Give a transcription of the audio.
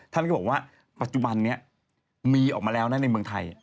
ท่านก็บอกว่าปัจจุบันนี้มีออกมาแล้วนะในเมืองไทย